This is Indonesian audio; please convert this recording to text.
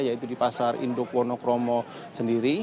yaitu di pasar indopornokromo sendiri